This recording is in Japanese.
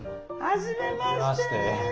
はじめまして。